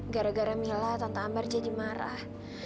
gara gara mila tante ambar jadi marah